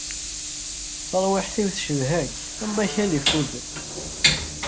Tarwiḥt-iw tcedha-k, am wakal ifuden.